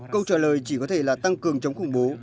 câu trả lời chỉ có thể là tăng cường chống khủng bố